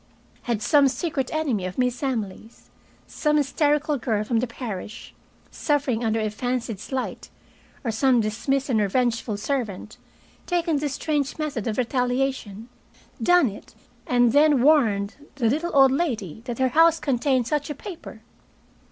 Had some secret enemy of Miss Emily's, some hysterical girl from the parish, suffering under a fancied slight, or some dismissed and revengeful servant, taken this strange method of retaliation, done it and then warned the little old lady that her house contained such a paper?